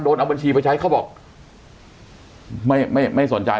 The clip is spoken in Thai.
โดนเอาบัญชีไปใช้เขาบอกไม่สนใจ